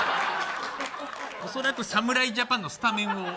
それだと侍ジャパンのスタメンを。